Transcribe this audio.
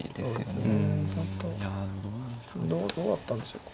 どうだったんでしょうか。